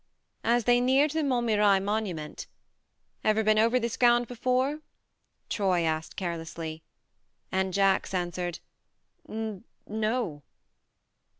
As they neared the Montmirail monument: "Ever been over this ground before ?" Troy asked carelessly, and Jacks answered :" N no."